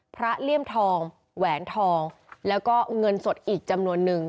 เลี่ยมทองแหวนทองแล้วก็เงินสดอีกจำนวนนึง